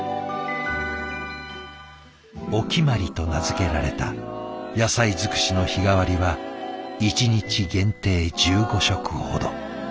おきまりと名付けられた野菜づくしの日替わりは１日限定１５食ほど。